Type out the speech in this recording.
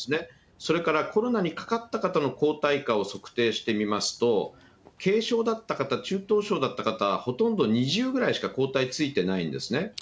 それからコロナにかかった方の抗体価を測定してみますと、軽症だった方、中等症だった方はほとんど２０ぐらいしか抗体ついてないんですね。